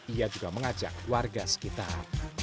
ia juga mengajak warga sekitar